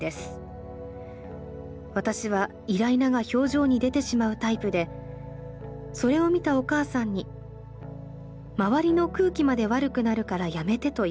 私はイライラが表情に出てしまうタイプでそれを見たお母さんに『周りの空気まで悪くなるからやめて』と言われました。